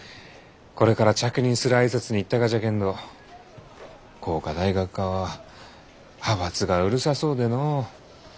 これから着任する挨拶に行ったがじゃけんど工科大学側は派閥がうるさそうでのう。